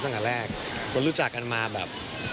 ตั้งแต่แรกคนรู้จักกันมาแบบ